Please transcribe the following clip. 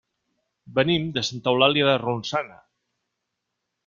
Venim de Santa Eulàlia de Ronçana.